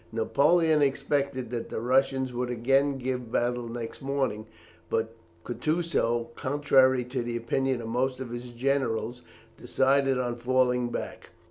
Napoleon expected that the Russians would again give battle next morning, but Kutusow, contrary to the opinion of most of his generals, decided on falling back.